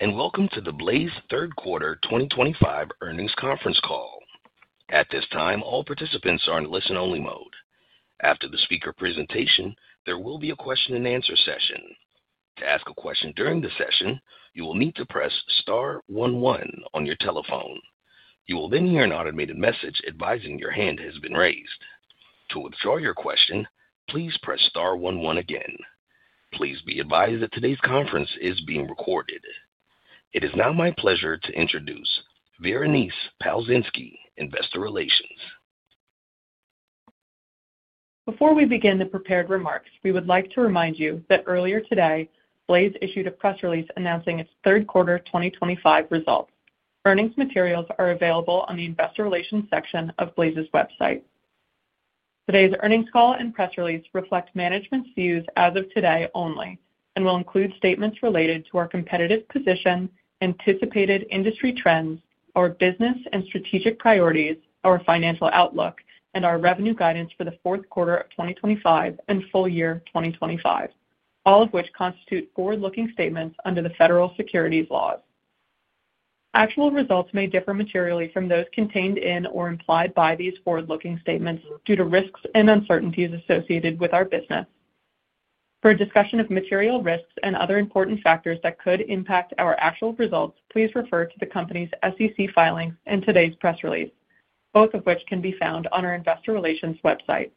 Hello and welcome to the Blaize third quarter 2025 Earnings Conference Call. At this time all participants are in listen only mode. After the speaker presentation, there will be a question and answer session. To ask a question during the session, you will need to press star 11 on your telephone. You will then hear an automated message advising your hand has been raised to withdraw your question. Please press star 11 again. Please be advised that today's conference is being recorded. It is now my pleasure to Introduce Veronice Palzinski, Investor Relations. Before we begin the prepared remarks, we would like to remind you that earlier today Blaize issued a press release announcing its third quarter 2025 results. Earnings materials are available on the Investor Relations section of Blaize's website. Today's earnings call and press release reflect management's views as of today only and will include statements related to our competitive position, anticipated industry trends, our business and strategic priorities, our financial outlook and our revenue guidance for the fourth quarter of 2025 and full year 2025, all of which constitute forward looking statements under the federal securities laws. Actual results may differ materially from those contained in or implied by these forward looking statements due to risks and uncertainties associated with our business. For a discussion of material risks and other important factors that could impact our actual results, please refer to the Company's SEC filings in today's press release, both of which can be found on our Investor Relations website.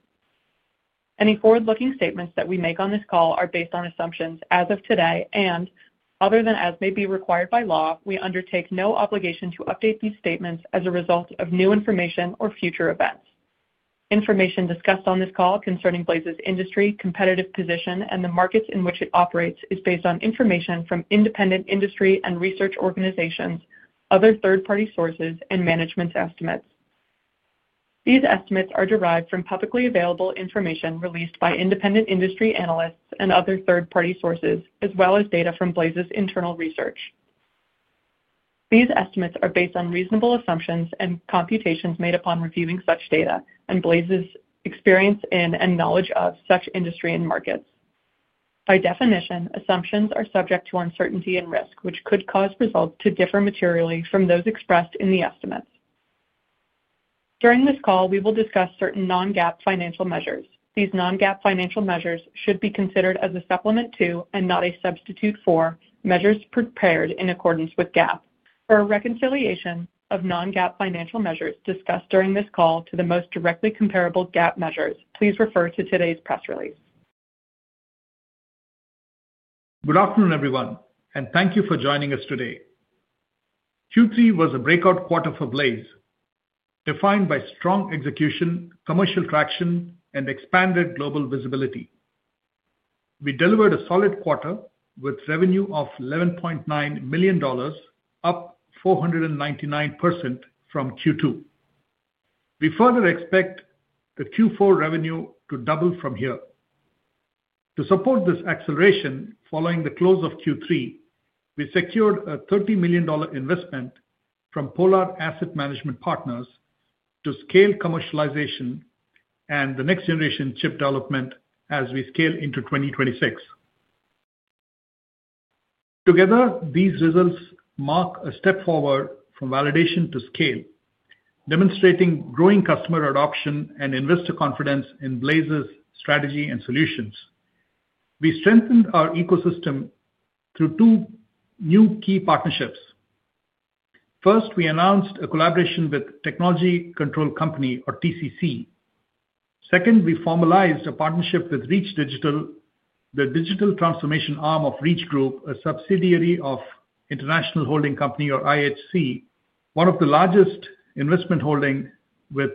Any forward-looking statements that we make on this call are based on assumptions as of today and other than as may be required by law, we undertake no obligation to update these statements as a result of new information or future events. Information discussed on this call concerning Blaize's industry competitive position and the markets in which it operates is based on information from independent industry and research organizations, other third-party sources and management's estimates. These estimates are derived from publicly available information released by independent industry analysts and other third-party sources as well as data from Blaize's internal research. These estimates are based on reasonable assumptions and computations made upon reviewing such data and Blaize's experience in and knowledge of such industry and markets. By definition, assumptions are subject to uncertainty and risk which could cause results to differ materially from those expressed in the estimates. During this call we will discuss certain non-GAAP financial measures. These non-GAAP financial measures should be considered as a supplement to and not a substitute for measures prepared in accordance with-GAAP or a reconciliation of non-GAAP financial measures discussed during this call to the most directly comparable GAAP measures. Please refer to today's press Release. Good afternoon everyone and thank you for joining us today. Q3 was a breakout quarter for Blaize, defined by strong execution, commercial traction and expanded global visibility. We delivered a solid quarter with revenue of $11.9 million, up 499% from Q2. We further expect the Q4 revenue to double from here to support this acceleration. Following the close of Q3, we secured a $30 million investment from Polar Asset Management Partners to scale commercialization and the next generation chip development as we scale into 2026. Together, these results mark a step forward from validation to scale, demonstrating growing customer adoption and investor confidence in Blaize's strategy and solutions. We strengthened our ecosystem through two new key partnerships. First, we announced a collaboration with Technology Control Company or TCC. Second, we formalized a partnership with Reach Digital, the digital transformation arm of Reach Group, a subsidiary of International Holding Company or IHC, one of the largest investment holdings. With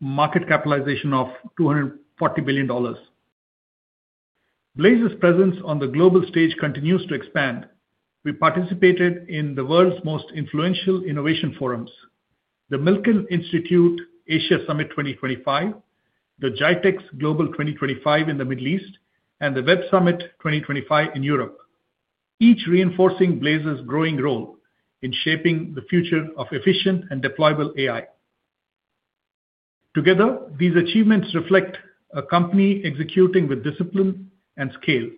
market capitalization of $240 billion, Blaize's presence on the global stage continues to expand. We participated in the world's most influential innovation forums, the Milken Institute Asia Summit 2025, the JITEX Global 2025 in the Middle East and the Web Summit 2025 in Europe, each reinforcing Blaize's growing role in shaping the future of efficient and deployable AI. Together, these achievements reflect a company executing with discipline and scale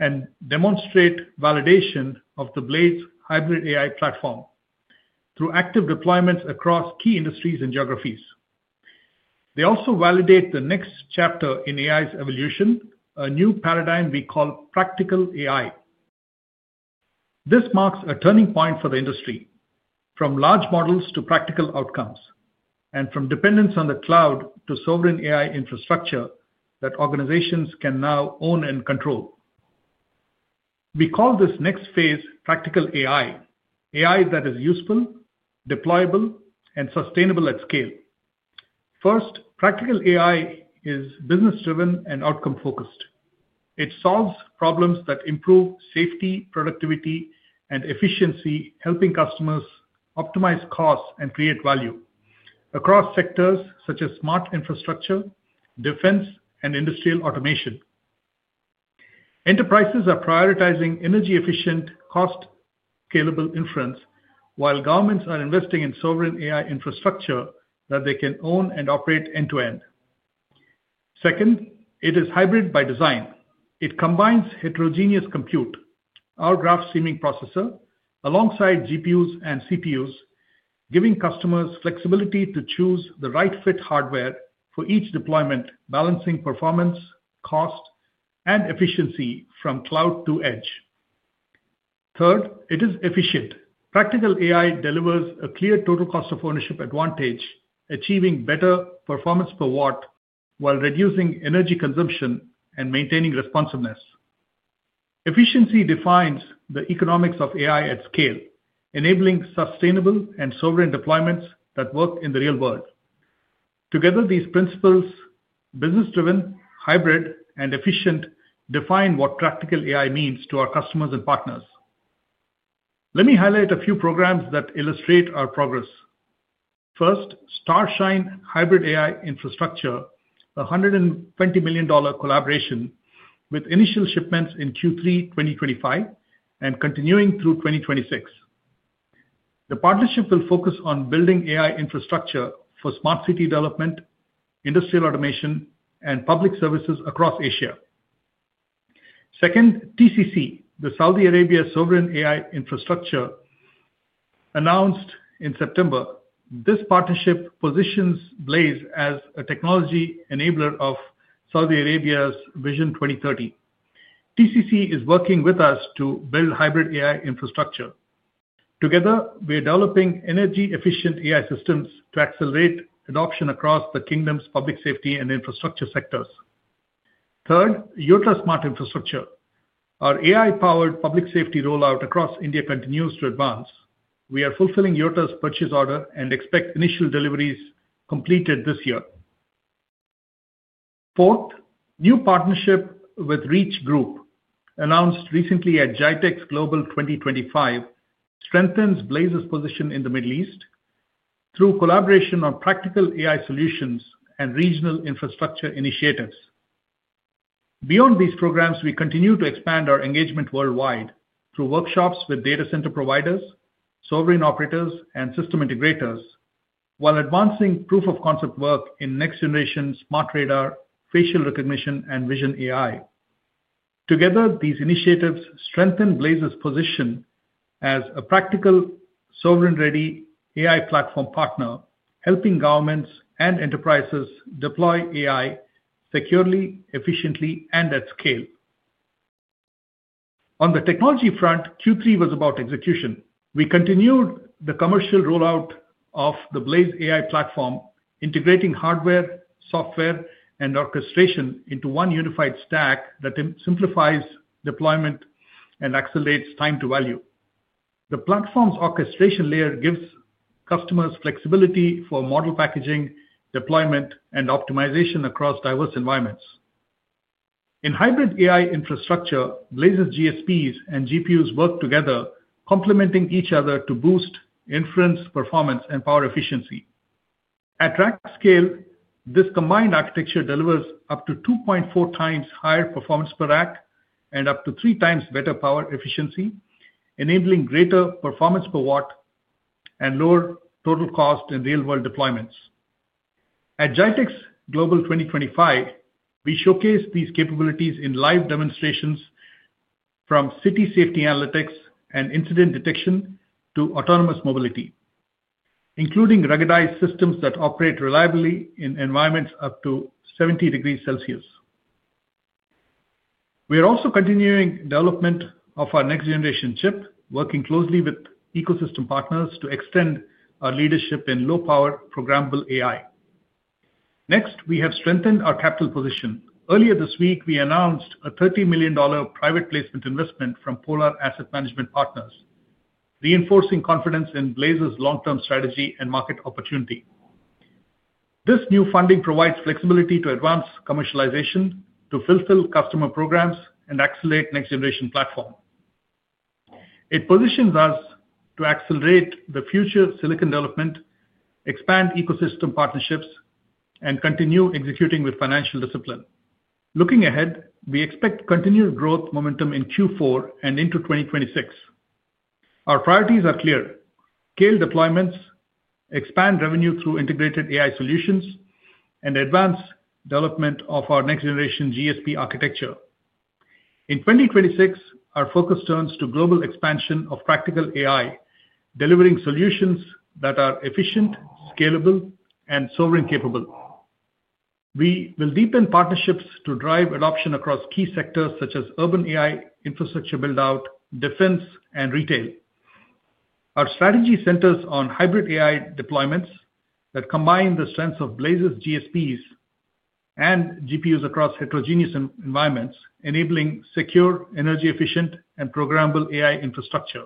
and demonstrate validation of the Blaize Hybrid AI platform through active deployments across key industries and geographies. They also validate the next chapter in AI's evolution, a new paradigm we call practical AI. This marks a turning point for the industry, from large models to practical outcomes and from dependence on the cloud to Sovereign AI infrastructure that organizations can now own and control. We call this next phase Practical AI, AI that is useful, deployable and sustainable at scale. First, Practical AI is business driven and outcome focused. It solves problems that improve safety, productivity and efficiency, helping customers optimize costs and create value across sectors such as smart infrastructure, defense and industrial Automation. Enterprises are prioritizing energy efficient cost scalable Inference, while governments are investing in Sovereign AI infrastructure that they can own and operate end to end. Second, it is hybrid by design. It combines heterogeneous compute our graph streaming processor alongside GPUs and CPUs, giving customers flexibility to choose the right fit hardware for each deployment, balancing performance, cost and efficiency from cloud to edge. Third, it is efficient Practical AI delivers a clear Total Cost of Ownership advantage, achieving better performance per watt while reducing energy consumption and maintaining responsiveness. Efficiency defines the economics of AI at scale, enabling sustainable and Sovereign deployments that work in the real world. Together, these principles, business driven, hybrid and efficient define what practical AI means to our customers and partners. Let me highlight a few programs that illustrate our progress. First, Starshine Hybrid AI Infrastructure $120 million collaboration with initial shipments in Q3 2025 and continuing through 2026. The partnership will focus on building AI infrastructure for smart city development, industrial automation and public services across Asia. Second, TCC the Saudi Arabia Sovereign AI infrastructure announced in September, this partnership positions Blaize as a technology enabler of Saudi Arabia's Vision 2030. TCC is working with us to build Hybrid AI infrastructure. Together we are developing energy efficient AI systems to accelerate adoption across the Kingdom's public safety and infrastructure sectors. 3rd Yota Smart Infrastructure Our AI powered public safety rollout across India continues to advance. We are fulfilling Yota's purchase order and expect initial deliveries completed this year. Fourth new partnership with Reach Group announced recently at JITEX Global 2025 strengthens Blaize's position in the Middle east through collaboration on practical AI solutions and regional infrastructure initiatives. Beyond these programs, we continue to expand our engagement worldwide through workshops with data center providers, Sovereign operators and system integrators while advancing Proof of Concept work in next generation Smart Radar, Facial Recognition and Vision AI. Together, these initiatives strengthen Blaize's position as a practical, Sovereign ready AI platform partner, helping governments and enterprises deploy AI securely, efficiently and at scale. On the technology front, Q3 was about execution. We continued the commercial rollout of the Blaize AI Platform, integrating hardware, software and orchestration into one unified stack that simplifies deployment and accelerates time to value. The platform's Orchestration Layer gives customers flexibility for model packaging, deployment and optimization across diverse environments. In Hybrid AI infrastructure, Blaize's GSPs and GPUs work together, complementing each other to boost Inference, performance and power efficiency at rack scale. This combined architecture delivers up to 2.4 times higher performance per rack and up to three times better power efficiency, enabling greater performance per watt and lower total cost in real world deployments. At JITEX Global 2025, we showcase these capabilities in live demonstrations and from city safety analytics and incident detection to autonomous mobility, including ruggedized systems that operate reliably in environments up to 70 degrees Celsius. We are also continuing development of our next generation chip, working closely with ecosystem partners to extend our leadership in low power programmable AI. Next, we have strengthened our capital position. Earlier this week we announced a $30 million private placement investment from Polar Asset Management Partners, reinforcing confidence in Blaizer's long term strategy and market opportunity. This new funding provides flexibility to advance commercialization to fulfill customer programs and accelerate next generation platform. It positions us to accelerate the future silicon development, expand ecosystem partnerships and continue executing with financial discipline. Looking ahead, we expect continued growth momentum in Q4 and into 2026. Our priorities are clear scale deployments, expand revenue through integrated AI solutions and advance development of our next generation GSP architecture. In 2026, our focus turns to global expansion of practical AI delivering solutions that are efficient, scalable and Sovereign capable. We will deepen partnerships to drive adoption across key sectors such as urban AI infrastructure, build out defense and retail. Our strategy centers on Hybrid AI deployments that combine the strengths of Blaize's, GSPs and GPUs across heterogeneous environments, enabling secure, energy efficient and programmable AI infrastructure.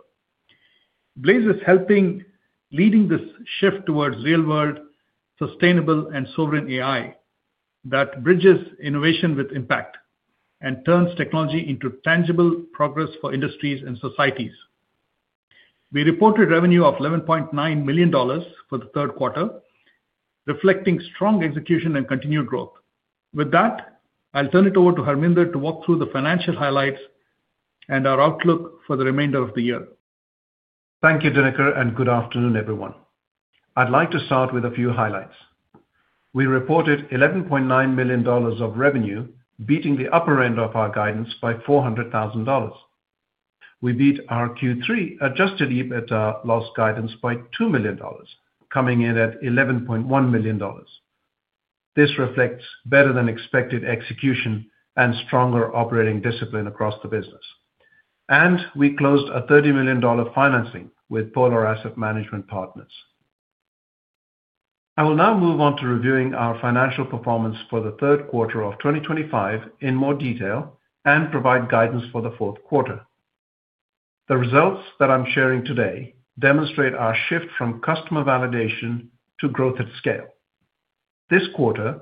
Blaize is helping leading this shift towards real world, sustainable and Sovereign AI that bridges innovation with impact and turns technology into tangible progress for industries and societies. We reported revenue of $11.9 million for the third quarter, reflecting strong execution and continued growth. With that, I'll turn it over to Harminder to walk through the financial highlights. And our outlook for the remainder of the year. Thank you Dinakar and Good afternoon everyone. I'd like to start with a few highlights. We reported $11.9 million of revenue, beating the upper end of our guidance by $400,000. We beat our Q3 Adjusted EBITDA loss guidance by $2 million, coming in at $11.1 million. This reflects better than expected execution and stronger operating discipline across the business, and we closed a $30 million financing with Polar Asset Management Partners. I will now move on to reviewing our financial performance for the third quarter of 2025 in more detail and provide guidance for the fourth quarter. The results that I'm sharing today demonstrate our shift from customer validation to growth at scale. This quarter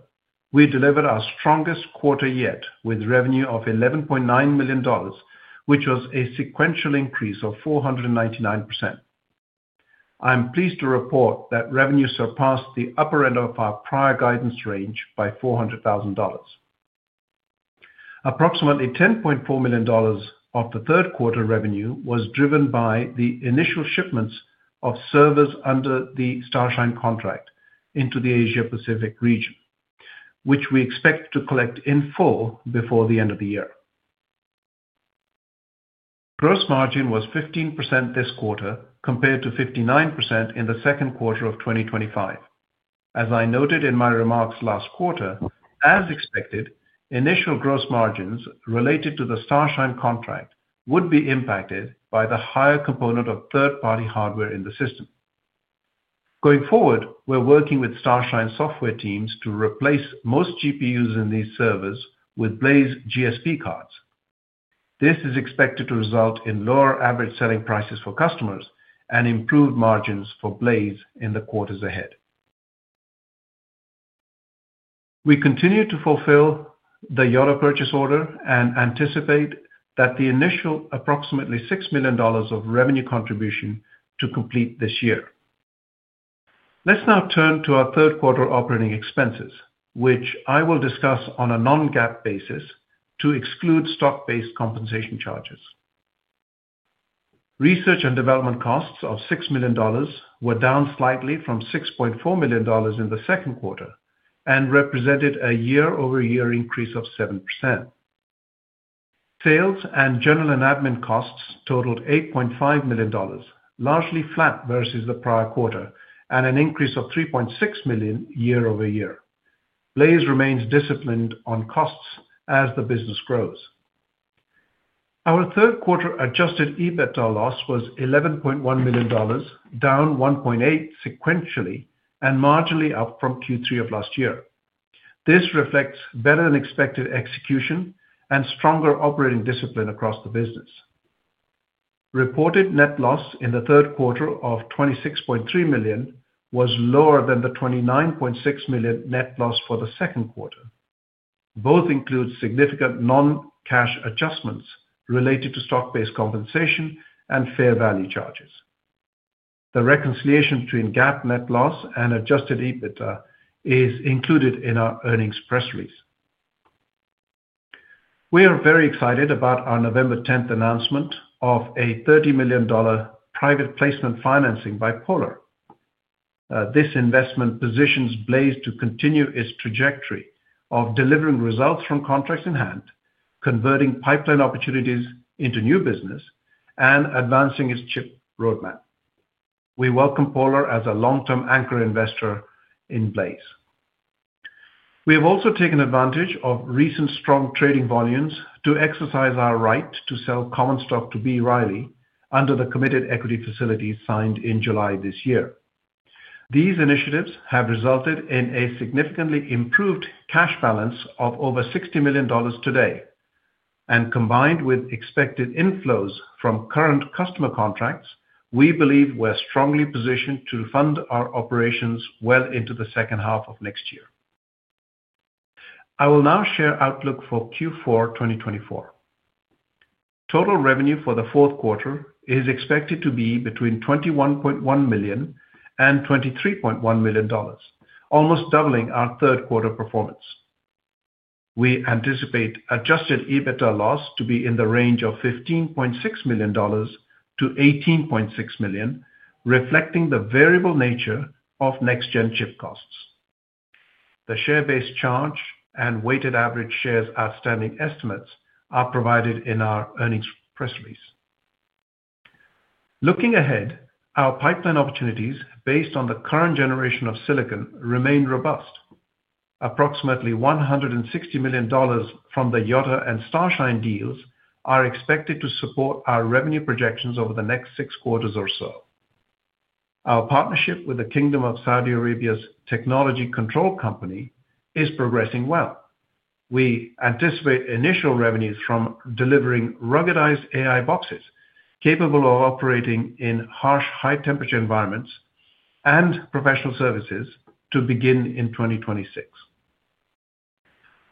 we delivered our strongest quarter yet with revenue of $11.9 million, which was a sequential increase of 499%. I am pleased to report that revenue surpassed the upper end of our prior guidance range by $400,000, approximately $10.4 million of the third quarter. Revenue was driven by the initial shipments of servers under the Starshine contract into the Asia Pacific region, which we expect to collect in full before the end of the year. Gross margin was 15% this quarter, compared to 59% in the second quarter of 2025. As I noted in my remarks last quarter, as expected, initial gross margins related to the Starshine contract would be impacted by the higher component of third party hardware in the system. Going forward, we're working with Starshine software teams to replace most GPUs in these servers with Blaize GSP cards. This is expected to result in lower average selling prices for customers and improved margins for Blaize in the quarters ahead. We continue to fulfill the Yota purchase order and anticipate that the initial approximately $6 million of revenue contribution to complete this year. Let's now turn to our third quarter operating expenses which I will discuss on a non GAAP basis to exclude Stock based compensation charges. Research and development costs of $6 million were down slightly from $6.4 million in the second quarter and represented a year over year increase of 7%. Sales and general and admin costs totaled $8.5 million, largely flat versus the prior quarter and an increase of 3.6 million year over year. Blaize remains disciplined on costs as the business grows. Our third quarter Adjusted EBITDA loss was $11.1 million, down 1.8 sequentially and marginally up from Q3 of last year. This reflects better than expected execution and stronger operating discipline across the business. Reported net loss in the third quarter of 26.3 million was lower than the 29.6 million net loss for the second quarter. Both include significant non cash adjustments related to stock based compensation and and fair value charges. The reconciliation between GAAP net loss and Adjusted EBITDA is included in our earnings press release. We are very excited about our November 10th announcement of a $30 million private placement financing by Polar. This investment positions Blaize to continue its trajectory of delivering results from contracts in hand, converting pipeline opportunities into new business and advancing its chip roadmap. We welcome Polar as a long term anchor investor in place. We have also taken advantage of recent strong trading volumes to exercise our right to sell common stock to B. Riley under the committed equity facilities signed in July this year. These initiatives have resulted in a significantly improved cash balance of over $60 million today and combined with expected inflows from Current Customer Contracts, we believe we're strongly positioned to fund our operations well into the second half of next year. I will now Share Outlook for Q4 2024, Total revenue for the fourth quarter is expected to be between $21.1 million and $23.1 million, almost doubling our third quarter performance. We anticipate Adjusted EBITDA loss to be in the range of $15.6 million to $18.6 million, reflecting the variable nature of next Gen chip costs. The share based charge and weighted average shares outstanding estimates are provided in our earnings press release. Looking ahead, our pipeline opportunities based on the current generation of silicon remain robust. Approximately $160 million from the Yota and Starshine deals are expected to support our revenue projections over the next six quarters or so. Our partnership with the Kingdom of Saudi Arabia's technology control company is progressing well. We anticipate initial revenues from delivering ruggedized AI boxes capable of operating in harsh high temperature environments and professional services to begin in 2026.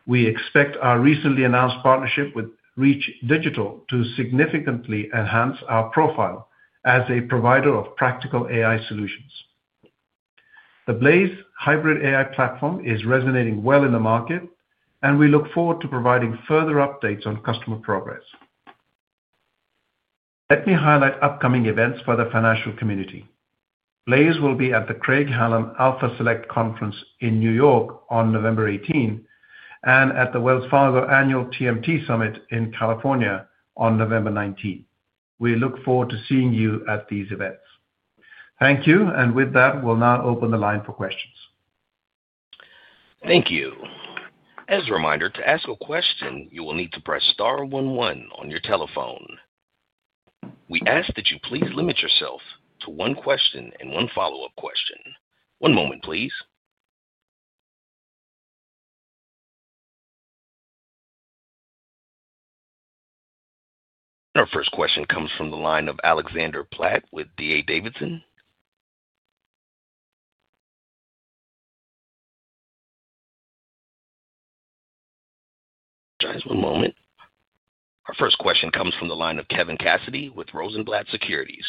We expect our recently announced partnership with Reach Digital to significantly enhance our profile as a provider of practical AI solutions. The Blaize Hybrid AI platform is resonating well in the market and we look forward to providing further updates on customer progress. Let me highlight upcoming events for the financial community. Blaize will be at the Craig Hallam Alpha Select Conference in New York on November 18th and at the Wells Fargo Annual TMT Summit in California on November 19th. We look forward to seeing you at these events. Thank you. And with that, we'll now open the line for questions. Thank you. As a reminder to ask a question, you will need to press star 11 on your telephone. We ask that you please limit yourself to one question and one follow up question. One moment please. Our first question comes from the line of Alexander Platt with D.A. Davidson. Just one moment. Our first question comes from the line of Kevin Cassidy with Rosenblatt Securities.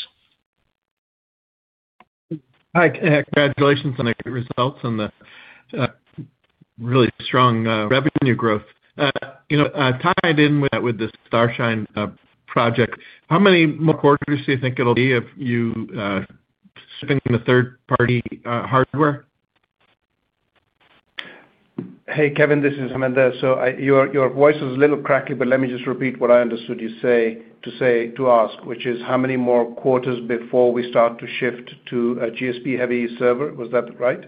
Hi, Congratulations on the results and the really strong revenue growth, you know, tied in with the Starshine project. How many more quarters do you think, It will be of you shipping the third party hardware? Hey Kevin, this is Harminder, so your voice is a little Cracky, but let me just repeat what I understood you say to say to ask, which is how many more quarters before we start to shift to a GSP heavy server? Was that right?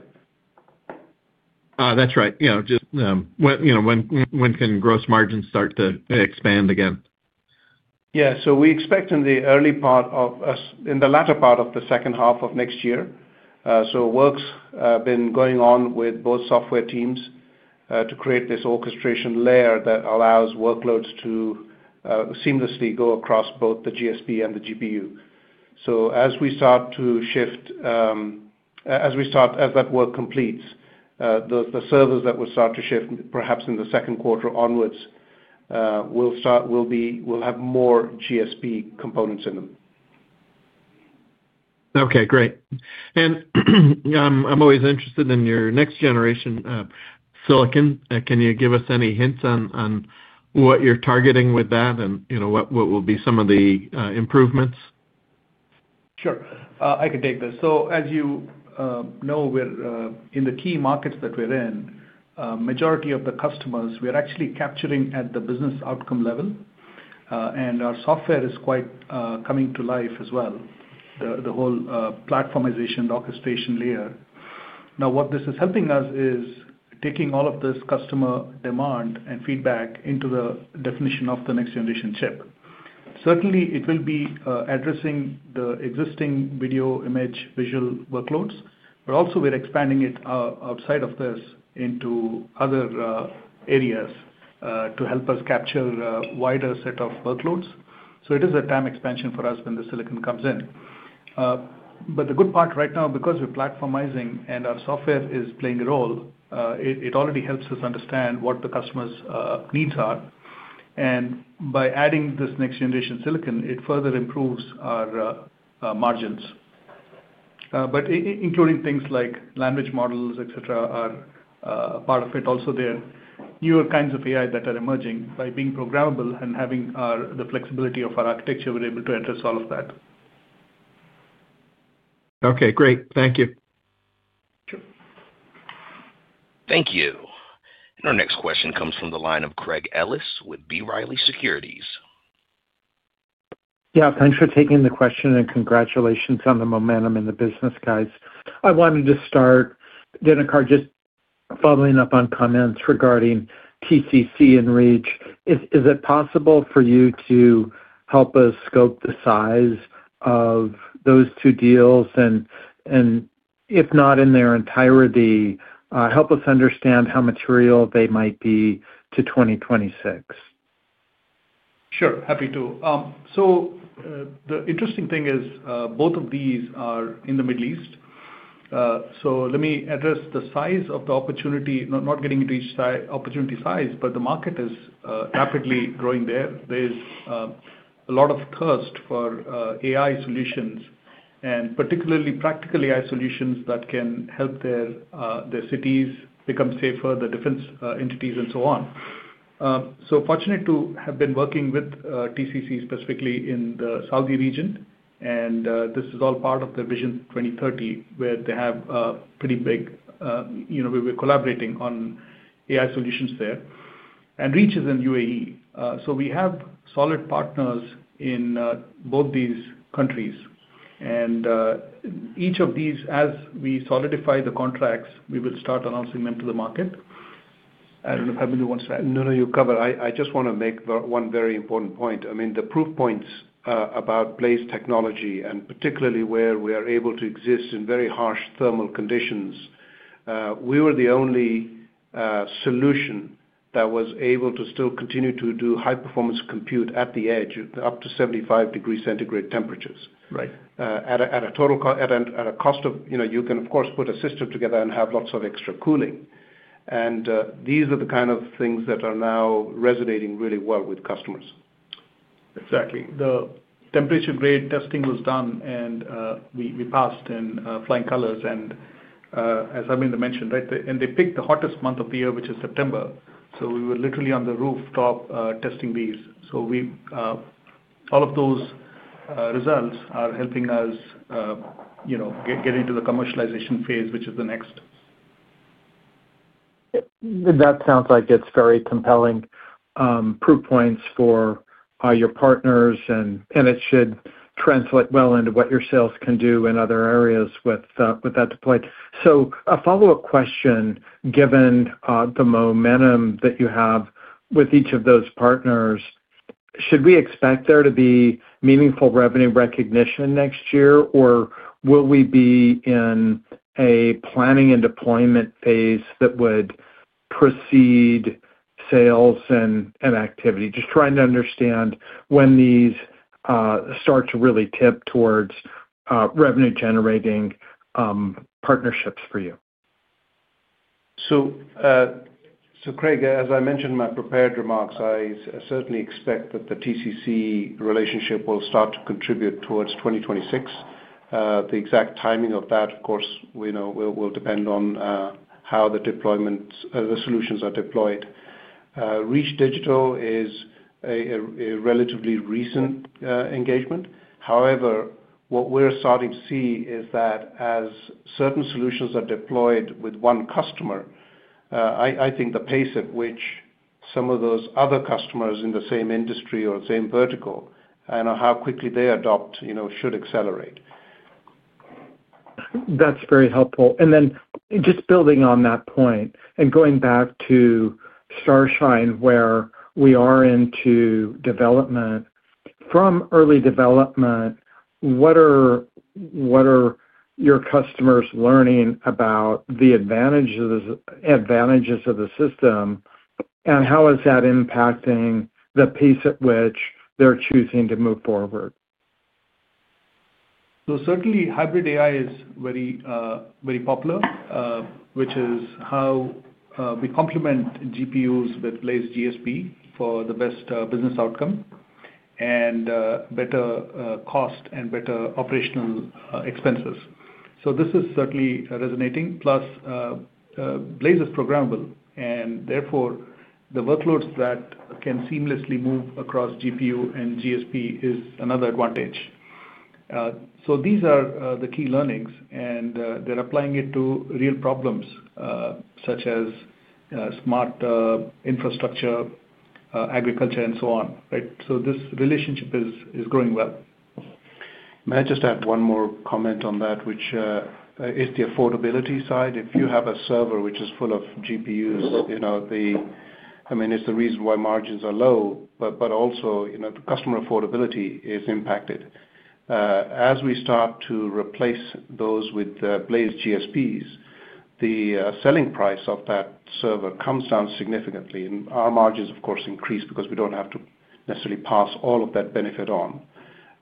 That's right. You know, just, you know, when can gross margins start to expand again? Yeah, so we expect in the early part of, in the latter part of the second half of next year. So work's been going on with both software teams to create this Orchestration Layer that allows workloads to seamlessly go across both the GSP and the GPU. So as we start to shift, as we start, as that work completes, the servers that will start to shift perhaps in the second quarter onwards, will have more GSP components in them. Okay, great. And I'm always interested in your next generation silicon. Can you give us any hints on. What you're targeting with that and what will be some of the improvements? Sure, I can take this. So as you know, in the key markets that we're in majority of the customers we are actually capturing at the business outcome level. And our software is quite coming to life as well. The whole platformization, orchestration layer. Now what this is helping us is taking all of this customer demand and feedback into the definition of the next Generation Chip. Certainly it will be addressing the existing video image, visual workloads but also we are expanding it outside of this into other areas to help us capture wider set of workloads. So it is a time expansion for us when the silicon comes in. But the good part right now, because we're platformizing and our software is playing a role, it already helps us understand what the customer's needs are. And by adding this next generation silicon it further improves our margins. But including things like language, models, etc, are part of it. Also there newer kinds of AI that are emerging. By being programmable and having the flexibility of our architecture, we're able to address all of that. Okay, great. Thank you. Our next question comes from the line of Craig Ellis with B. Riley Securities. Yeah, thanks for taking the question and congratulations on the momentum in the business guys. I wanted to start Dinakar, just following up on comments regarding TCC and Reach. Is it possible for you to help us scope the size of those two deals and if not in their entirety, help us understand how material they might be to 2026? Sure, happy to. So the interesting thing is both of these are in the Middle east. So let me address the size of the opportunity. Not getting into each opportunity size but the market is rapidly growing there. There's a lot of thirst for AI solutions and particularly practically solutions that can help their cities become safer. The defense entities and so on. So fortunate to have been working with TCC specifically in the Saudi region. And this is all part of the Vision 2030 where they have pretty big, you know we're collaborating on AI solutions there and Reach is in UAE. So we have solid partners in both these countries. And each of these as we solidify the contracts, we will start announcing them to the market. I don't know if wants to add. No, no, you covered. I just want to make one very important point. I mean the proof points about Blaize technology and particularly where we are able to exist in very harsh thermal conditions. We were the only solution that was able to still continue to do high performance compute at the edge up to 75 degrees centigrade temperatures at a cost of, you know you can of course put a system together and have lots of extra cooling and the. These are the kind of Things that are now resonating really well with customers. Exactly, the temperature grade testing was done and we passed in flying colors and as mentioned, and they picked the hottest month of the year, which is September. So we were literally on the Rooftop testing these. So all of those results are helping us get into the commercialization phase, which is the next. That sounds like it's very compelling proof points for your partners and it should translate well into what your sales can do in other areas with that deployed, So a follow up question. Given the momentum that you have with each of those partners, should we expect there to be meaningful revenue recognition next year or will we be in a planning and deployment phase that would precede sales and activity? Just trying to understand when these start to really tip towards revenue generating partnerships for you. So Craig, as I mentioned in my. Prepared remarks, I certainly expect that the TCC relationship will start to contribute towards 2026. The exact timing of that, of course, will depend on how the solutions are deployed. Reach Digital is a relatively recent engagement. However, what we're starting to see is that as certain solutions are deployed with one customer, I think the pace at which some of those other customers in the same industry or same vertical and how quickly they adopt should accelerate. That's very helpful. And then just building on that point and going back to Starshine, where we are into development from early development, What. Are your customers learning about the advantages of the system and how is that impacting the pace at which they're choosing to move forward? So certainly Hybrid AI is very, very popular, which is how we complement GPUs with Blaize GSP for the best business outcome and better cost and better operational expenses. So this is certainly resonating. Plus Blaize is programmable and therefore the workloads that can seamlessly move across GPU and GSP is another advantage. So these are the key learnings and they're applying it to real problems such as smart infrastructure, agriculture and so on. So this relationship is growing. Well, may I just add one more comment on that, which is the affordability side. If you have a server which is full of GPUs, you know the. I mean it's the reason why margins are low, but also, you know, the customer affordability is impacted. As we start to replace those with Blaize gsps, the selling price of that server comes down significantly and our margins of course increase because we don't have to necessarily pass all of that benefit on.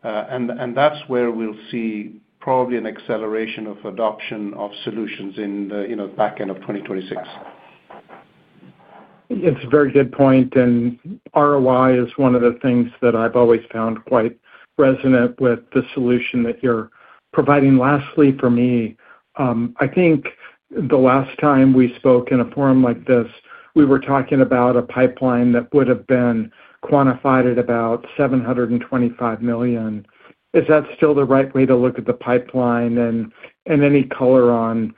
And that's where we'll see probably an acceleration of adoption of solutions in the back end of 2026. It's a very good point. And ROI is one of the things that I've always found quite resonant with the solution that you're providing. Lastly, for me, I think the last time we spoke in a forum like this, we were talking about a pipeline that would have been quantified at about 725 million. Is that still the right way to look at the pipeline and any color on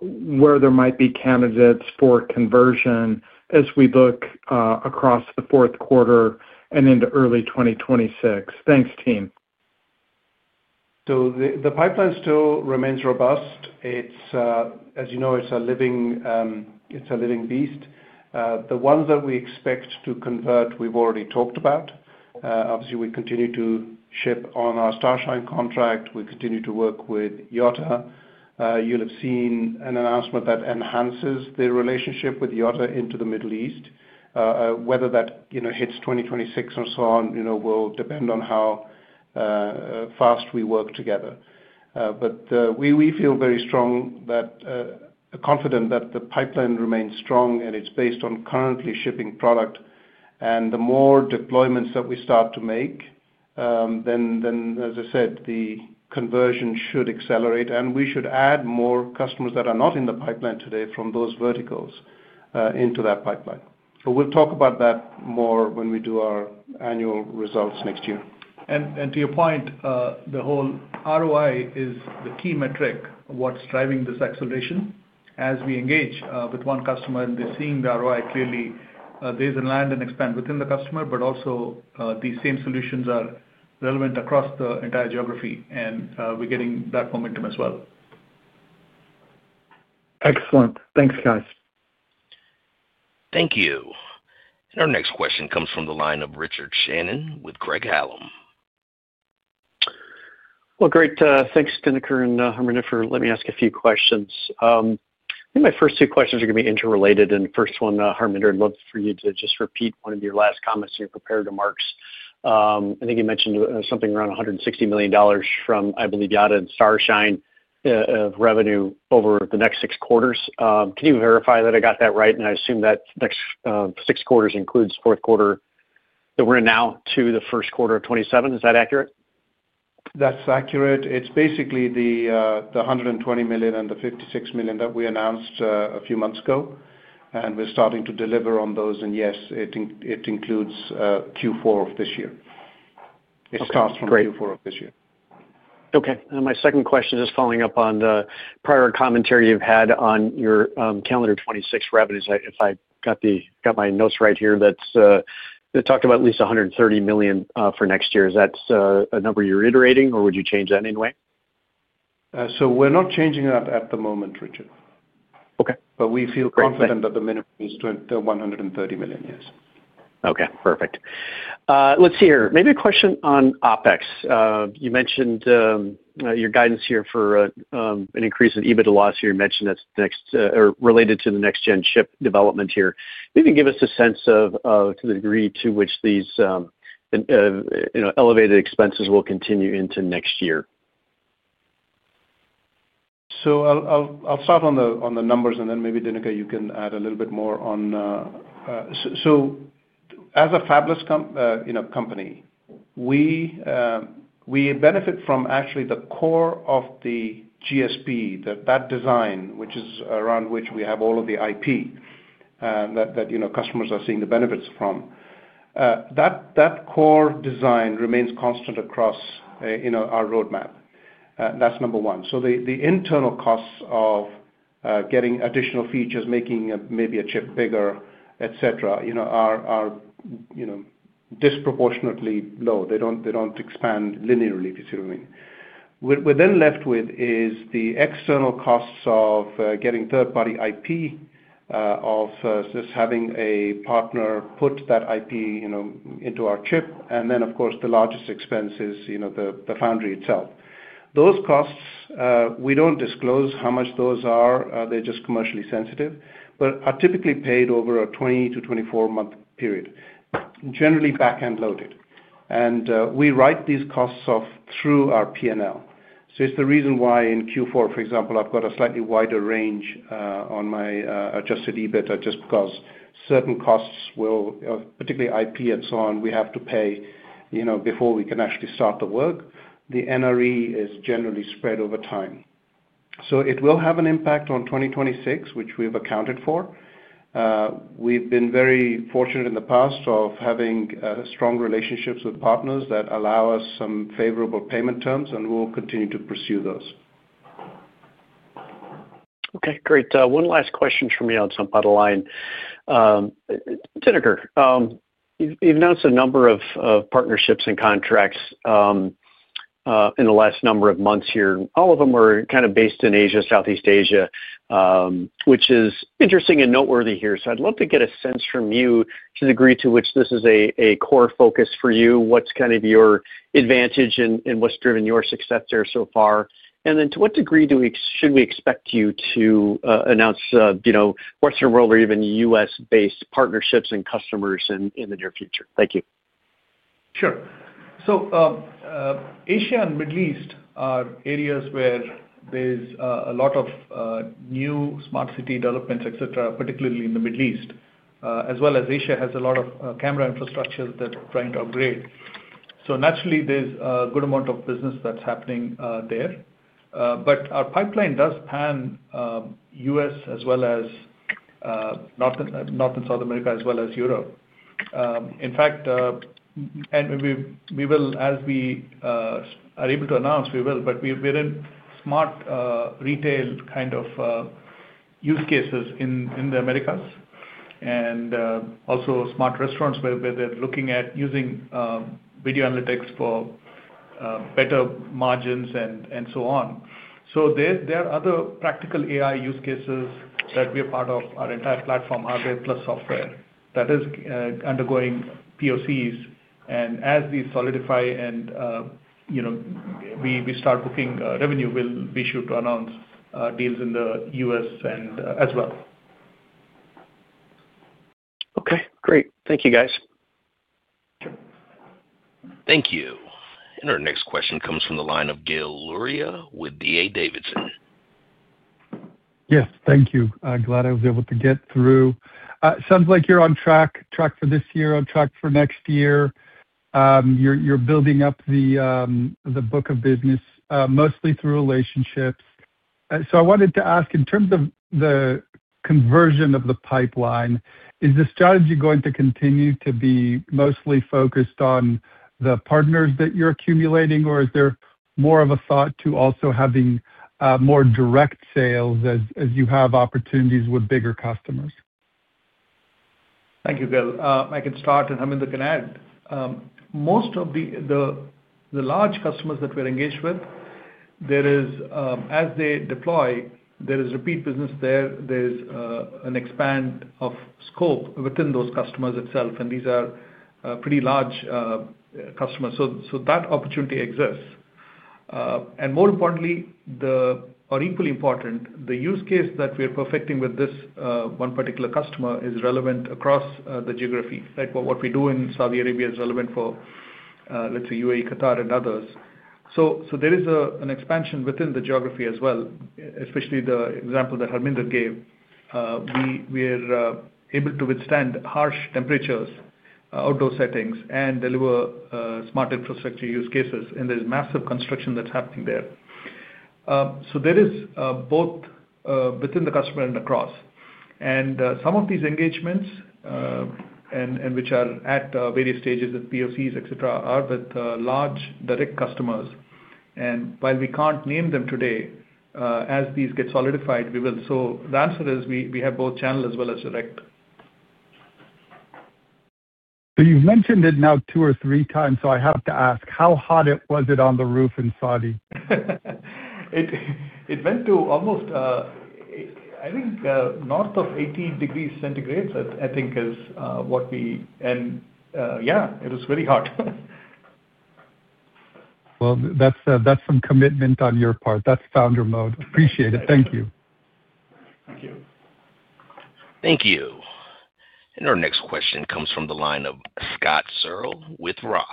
where there might be candidates for conversion as we look across the fourth quarter and into early 2026? Thanks, team. So the pipeline still remains robust. It's, as you know, it's a living. It's a living beast. The ones that we expect to convert we've already talked about. Obviously, we continue to ship on our Starshine contract. We continue to work with Yotta. You'll have seen an announcement that enhances the relationship with Yotta into the Middle east. Whether that hits 2026 or so on will depend on how fast we work together. But. And we feel very strong, confident that the pipeline remains strong and it's based on currently shipping product and the more deployments that we start to make then as I said, the conversion should accelerate and we should add more customers that are not in the pipeline today from those verticals into that pipeline. We'll talk about that more when we do our annual results next year. And to your point, the whole ROI is the key metric. What's driving this acceleration as we engage with one customer and they're seeing the ROI clearly, these in land and expand within the customer. But also these same solutions are relevant across the entire geography and we're getting that momentum as well. Excellent. Thanks, guys. Thank you. And our next question comes from the line of Richard Shannon with Craig Hallam. Well, great. Thanks, Dinnikar and Harminder for. Let me ask a few questions. My first two questions are going to be interrelated and the first one, Harminder, I'd love for you to just repeat one of your last comments. In your prepared remarks, I think you mentioned something around $160 million from I believe Yotta and Starshine of revenue over the next six quarters. Can you verify that? I got that right. And I assume that next six quarters includes fourth quarter that we're in now to the first quarter of 2017. Is that accurate? That's accurate. It's basically the 120 million and the 56 million that we announced a few months ago and we're starting to deliver on those. And yes, it includes Q4 of this year. It starts from Q4 of this year. Okay, my second question is following up on the prior commentary you've had on your calendar 26 revenues, if I got my notes right here, that's talked about at least 130 million for next year. Is that a number you're reiterating or would you change that anyway? So we're not changing that at the moment, Richard. Okay. But we feel confident that the minimum is 130 million years. Okay, perfect. Let's see here. Maybe a question on OpEx. You mentioned your guidance here for an increase in EBITDA loss here. You mentioned that's next related to the next gen chip development here. Maybe give us a sense to the degree to which these elevated expenses will continue into next year. So I'll start on the numbers and then maybe Dinakar you can add a little bit more on. So as a fabless company. We benefit. From actually the core of the GSP, that design, which is around which we have all of the IP that customers are seeing the benefits from. That core design remains constant across our roadmap. That's number one, So the internal costs of getting additional features, making maybe a chip bigger, etc. Are disproportionately low. They don't expand linearly, if you see what I mean. What we're then left with is the external costs of getting third party IP, of just having a partner put that IP into our chip. Of course the largest expense is the foundry itself. Those costs, we don't disclose how much those are, they're just commercially sensitive, but are typically paid over a 20-24 month period, generally back end loaded. We write these costs off through. Our P&L. So it's the. Reason why in Q4, for example, I've got a slightly wider range on my Adjusted EBIT. Just because certain costs will particularly IP and so on, we have to pay, you know, before we can actually start the work. The NRE is generally spread over time, so it will have an impact on 2026, which we have accounted for. We've been very fortunate in the past of having strong relationships with partners that allow us some favorable payment terms and we'll continue to pursue those. Okay, great. One last question from you on somebody, Dinakar. You've announced a number of partnerships and contracts in the last number of months here. All of them are kind of based in Asia, Southeast Asia, which is interesting and noteworthy here. So I'd love to get a sense from you to the degree to which this is a core focus for you, what's kind of your advantage in what's driven your success there so far. And then to what degree do we should we expect you to announce, you know, Western world or even US based partnerships and customers in the near future? Thank you. Sure, So Asia and Middle East are areas where there's a lot of new Smart City developments, etc. Particularly in the Middle east as well as Asia has a lot of camera infrastructure that trying to upgrade. So naturally there's a good amount of business that's happening there. But our pipeline does pan US as well as north and South America, as well as Europe in fact, and we will as we are able to announce we will. But we're in smart retail kind of use cases in the Americas and also smart restaurants where they're looking at using Video analytics for better margins and so on. So there are other practical AI use. Cases that we are part of our entire platform hardware plus software that is undergoing POCs and as these solidify and we start booking revenue will be sure to announce deals in the US as well. Okay, great. Thank you guys. Thank you. And our next question comes from the line of Gil Luria with D.A. Davidson. Yes, thank you. Glad I was able to get through. Sounds like you're on track for this year, on track for next year. You're building up the book of business mostly through relationships. So I wanted to ask in terms of the conversion of the pipeline, is the strategy going to continue to be mostly focused on the partners that you're accumulating or is there more of a thought to also having more direct sales as you have opportunities with bigger customers? Thank you, Gil. I can start and can add most of the large customers that we're engaged with there is as they deploy, there is repeat business there. There's an expand of scope within those customers itself. And these are pretty large customers. So that opportunity exists. And more importantly or equally important, the use case that we are perfecting with this one particular customer is relevant across the geography. What we do in Saudi Arabia is relevant for let's say UAE, Qatar and others. So there is an expansion within the geography as well, especially the example that Harminder gave. We are able to withstand harsh temperatures, outdoor settings and deliver smart infrastructure use cases. And there's massive construction that's happening there. So there is both within the customer and across and some of these engagements and which are at various stages with POCs, etc. Are with large direct customers. And while we can't name them today, as these get solidified, we will. So the answer is we have both channel as well as direct. You've mentioned it now two or three times. So I have to ask, how hot. Was it on the roof in Saudi? It went to almost, I think north of 18 degrees centigrade, I think is what we. And yeah, it was very hot. Well, that's some commitment on your part. That's founder mode. Appreciate it. Thank you. Thank you, thank you. And our next question comes from the line of Scott Searle with Roth.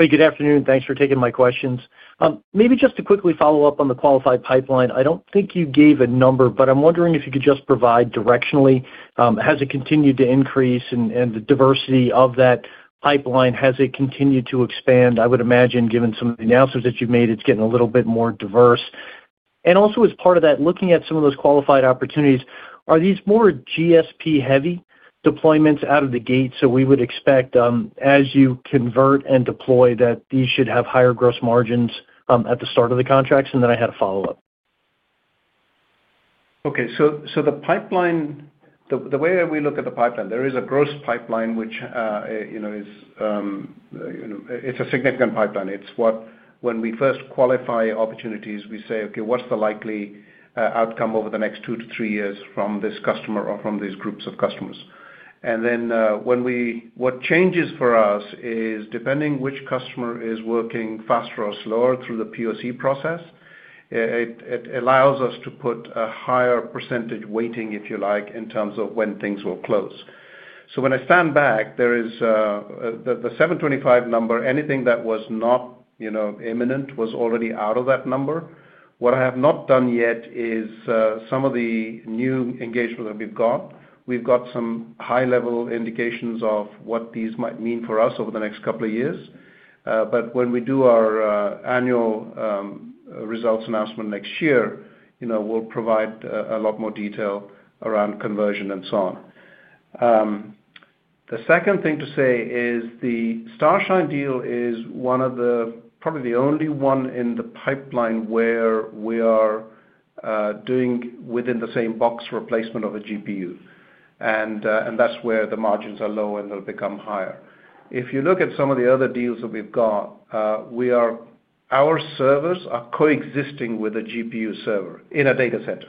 Hey, good afternoon. Thanks for taking my questions. Maybe just to quickly follow up on the qualified pipeline. I don't think you gave a number, but I'm wondering, wondering if you could just provide directionally, has it continued to increase and the diversity of that pipeline, has it continued to expand? I would imagine given some of the announcements that you've made, it's getting a little bit more diverse. And also as part of that, looking at some of those qualified opportunities, are these more GSP heavy deployments out of the gate. So we would expect as you convert and deploy that you should have higher gross margins at the start of the contracts. And then I had a follow up. Okay, so the pipeline, the way we. Look at the pipeline, there is a gross pipeline, which is a significant pipeline. It's what when we first qualify opportunities, we say, okay, what's the likely outcome over the next two to three years from this customer or from these groups of customers? And then when we, what changes for us is depending which customer is, is working faster or slower through the POC process, it allows us to put a higher percentage weighting, if you like, in terms of when things will close. So when I stand back, There is the 725 number. Anything that was not Imminent was already out of that number. What I have not done yet is. Some of the new engagement that we've got. We've got some high level indications of what these might mean for us over the next couple of years. But when we do our annual results announcement next year, we'll provide a lot more detail around conversion and so on. The second thing to say is the Starshine deal is one of the, probably. The only one in the pipeline where we are doing within the same box replacement of a GPU. And that's where the margins are low and they'll become higher. If you look at some of the other deals that we've got, we are, our servers are coexisting with a GPU. Server in a data center.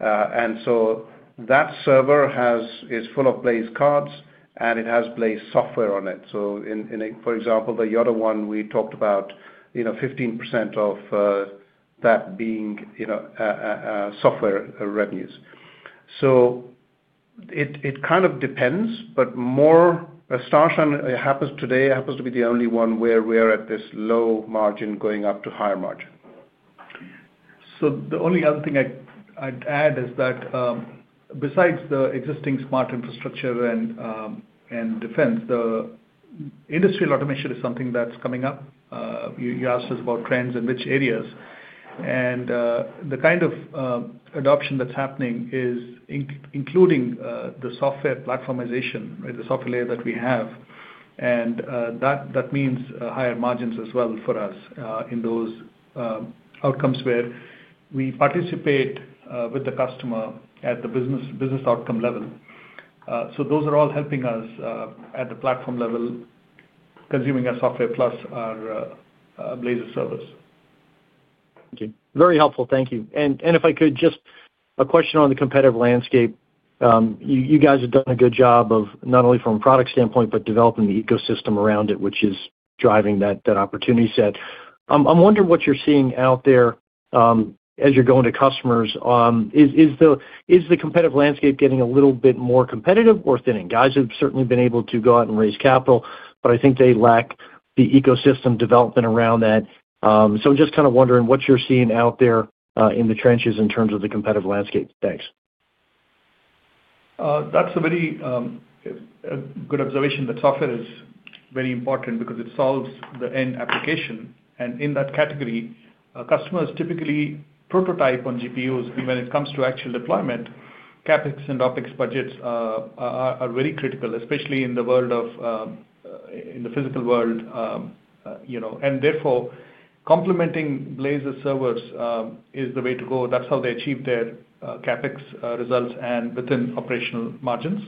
And so that server is full of Blaize cards and it has Blaize software on it. So for example, the Yota one we talked about 15% of that being, you know, Software revenues. So it kind of depends. But more starshine happens today happens to be the only one where we're at this low margin going up to higher margin. So the only other thing I'd add is that besides the existing smart infrastructure and defense, the industrial automation is something that's coming up. You asked us about trends in which areas and the kind of adoption that's happening is including the software platformization, the software layer that we have. And that means higher margins as well for us in those outcomes where we participate with the customer at the business outcome level. So those are all helping us at the platform level consuming a software plus our Blaize service. Very helpful, thank you. And if I could just a question. On the competitive landscape you guys have done a good job of, not only from a product standpoint, but developing the ecosystem around it which is driving that opportunity set. I'm wondering what you're seeing out there as you're going to customers. Is the competitive landscape getting a little bit more competitive or thinning? Guys have certainly been able to go out and raise capital, but I think they lack the ecosystem development around that. So I'm just kind of wondering what you're seeing out there in the trenches in terms of the competitive landscape. Thanks. That's a very good observation. That software is very important because it solves the end application and in that category customers typically prototype on GPUs. When it comes to actual deployment, CapEx and OpEx budgets are very critical, especially in the world of in the physical world. And therefore complementing Blaize servers is the way to go. That's how they achieve their CapEx results and within operational margins.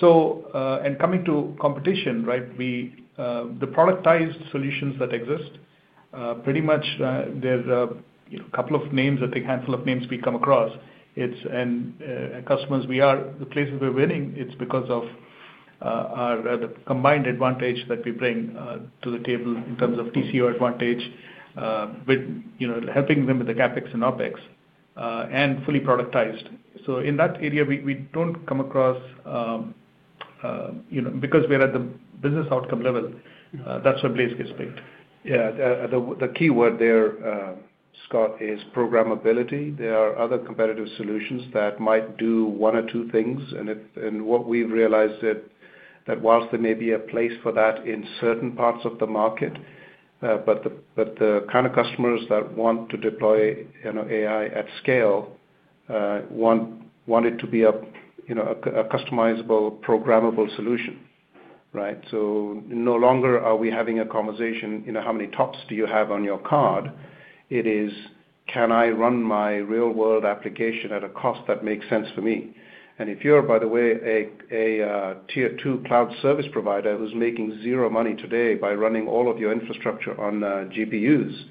So, And coming to competition, right. The productized solutions that exist pretty much there's a couple of names, I think a handful of names we come across and customers, we are the places we're winning. It's because of our combined advantage that we bring to the table in terms of TCO advantage with, you know, helping them with the CapEx and OpEx and fully productized. So in that area we don't come. Across. You know, because we're at the business outcome level. That's where Blaize gets picked. Yeah, the key word there, Scott, is programmability. There are other competitive solutions that might do one or two things and what we've realized that whilst there may be a place for that in certain parts of the market, but the kind of customers that want to deploy AI at Scale. Want it to be a customizable programmable solution. So no longer are we having a conversation. How many top speed do you have on your card? It is can I run my real world application at a cost that makes sense for me? And if you're by the way, a tier 2 cloud service provider who's making zero money today by running all of your infrastructure on GPUs,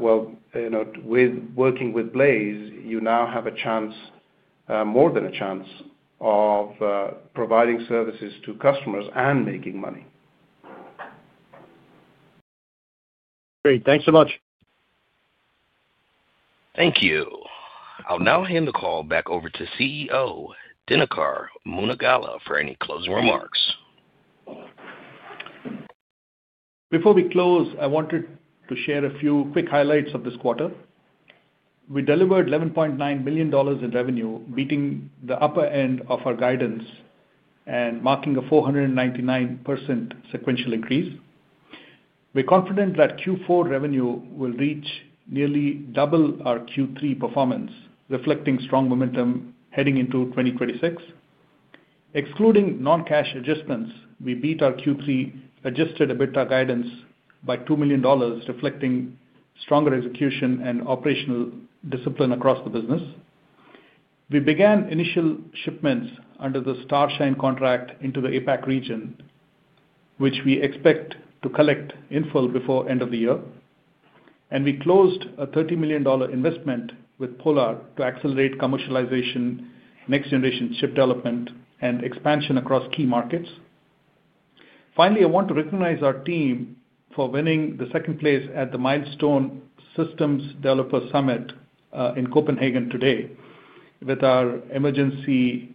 well, working with Blaize, you now have a chance, more than a chance, of providing services to customers and making money. Great. Thanks so much. Thank you. I'll now hand the call back over to CEO Dinakar Munagala for any closing remarks. Before we close, I wanted to share. A few quick highlights of this quarter. We delivered $11.9 million in revenue, beating the upper end of our guidance and marking a 499% sequential increase. We're confident that Q4 revenue will reach nearly double our Q3 performance, reflecting strong momentum heading into 2026. Excluding non cash adjustments, we beat our Q3 Adjusted EBITDA guidance by $2 million, reflecting stronger execution and operational discipline across the business. We began initial shipments under the Starshine contract into the APAC region, which we expect to collect in full before end of the year. And we closed a $30 million investment with Polar to accelerate commercialization, next generation chip development and expansion across key markets. Finally, I want to recognize our team for winning the second place at the Milestone Systems Developer Summit in Copenhagen today with our Emergency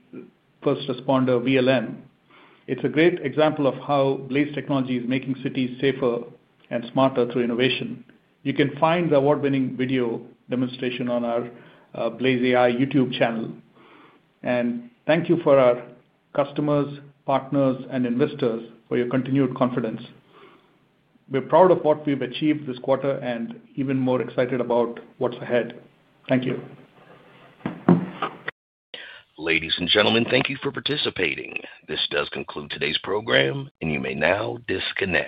First Responder VLM. It's a great example of how Blaize technology is making cities safer and smarter through innovation. You can find the award winning video demonstration on our Blaize AI YouTube channel. And thank you for our customers, partners and investors for your continued confidence. We're proud of what we've achieved this. Quarter and even more excited about what's ahead. Thank you. Ladies and gentlemen. Thank you for participating. This does conclude today's program and you may now disconnect.